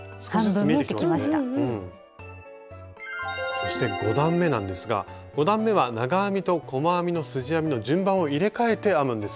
そして５段めなんですが５段めは長編みと細編みのすじ編みの順番を入れかえて編むんですよね。